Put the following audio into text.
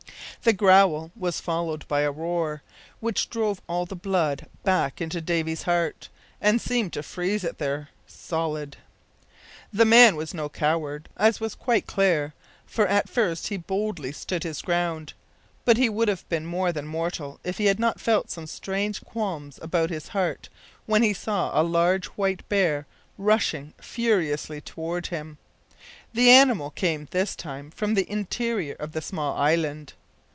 The growl was followed by a roar, which drove all the blood back into Davy's heart, and seemed to freeze it there solid. The man was no coward, as was quite clear, for at first he boldly stood his ground. But he would have been more than mortal if he had not felt some strange qualms about his heart when he saw a large white bear rushing furiously toward him. The animal came this time from the interior of the small island.